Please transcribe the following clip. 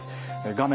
画面